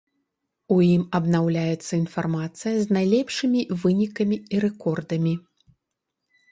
У ім абнаўляецца інфармацыя з найлепшымі вынікамі і рэкордамі.